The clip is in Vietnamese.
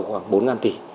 khoảng bốn tỷ